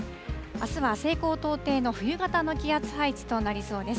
あすは西高東低の冬型の気圧配置となりそうです。